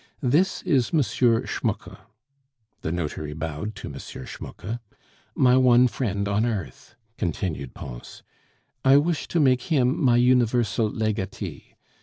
This is M. Schmucke" (the notary bowed to M. Schmucke) "my one friend on earth," continued Pons. "I wish to make him my universal legatee.